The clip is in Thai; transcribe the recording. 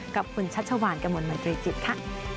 กับคุณชัชวานกระมวลมนตรีจิตค่ะ